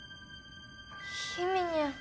ひめにゃん。